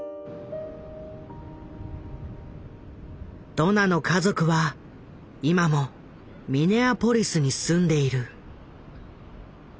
ドナの家族は今もミネアポリスに住んでいる。